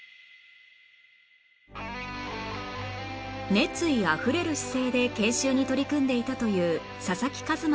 熱意あふれる姿勢で研修に取り組んでいたという佐々木一真